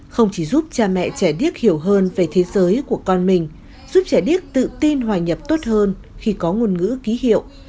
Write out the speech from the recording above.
không chỉ giúp cha mẹ trẻ điếc hiểu hơn về thế giới của con mình giúp trẻ điếc tự tin hòa nhập tốt hơn khi có ngôn ngữ ký hiệu